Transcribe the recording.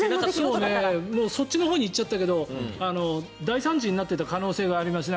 そっちのほうに行っちゃったけど大惨事になっていた可能性がありますね。